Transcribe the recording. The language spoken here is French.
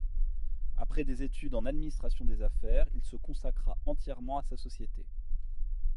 Après des études en administration des affaires, il se consacra entièrement à sa société.